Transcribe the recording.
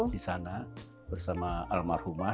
di sana bersama almarhumah